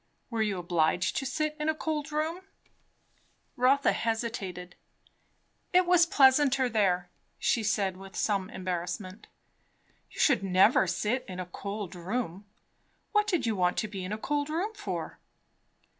"Were you obliged to sit in a cold room?" Rotha hesitated. "It was pleasanter there," she said with some embarrassment. "You never should sit in a cold room. What did you want to be in a cold room for?"